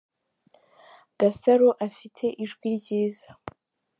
Gasaro afite ijwi ryiza.